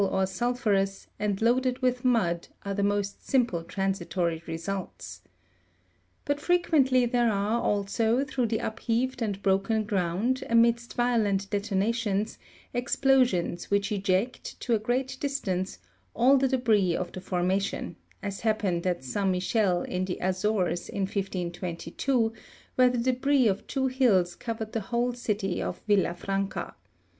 103 or sulphurous, and loaded with mud, are the most simple transi tory results. But frequently there are, also, through the upheaved and broken ground, amidst violent detonations, explosions which eject, to a great distance, all the debris of the formation, as happened at Saint Michel, in the Azores, in 1522, where the debris of two hills covered the whole city of Villa Franca.